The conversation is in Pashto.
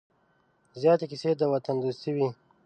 زیاتې کیسې د وطن دوستۍ وې.